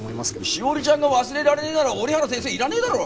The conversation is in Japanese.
史織ちゃんが忘れられねえなら折原先生いらねえだろ！？